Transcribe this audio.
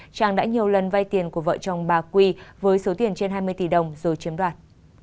trang đã nhiều lần vay tiền của vợ chồng bà quy với số tiền trên hai mươi tỷ đồng rồi chiếm đoạt